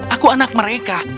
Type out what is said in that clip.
aku anak mereka